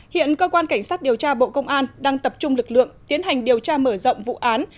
hiện cơ quan cảnh sát điều tra bộ công an đang tập trung lực lượng tiến hành điều tra mở rộng vụ án